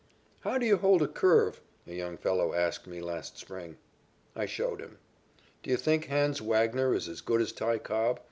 "How do you hold a curve?" a young fellow asked me last spring. I showed him. "Do you think Hans Wagner is as good as Ty Cobb?"